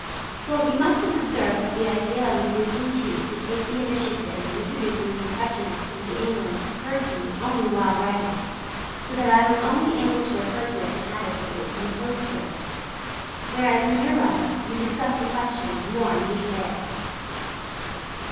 For you must have observed that the idea of inducing T. to take the initiative in introducing the Impressionists into England occurred to me only while writing, so that I was only able to refer to it inadequately in a postscript. Whereas in your letter you discuss the question more in detail.